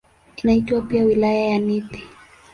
Inaitwa pia "Wilaya ya Nithi".